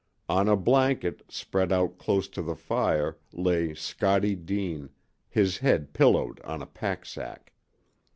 On a blanket spread out close to the fire lay Scottie Deane, his head pillowed on a pack sack.